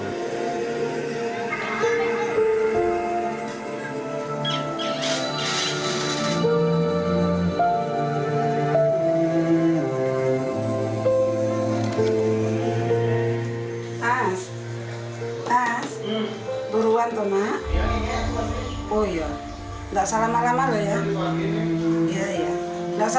nggak salah malam lho ya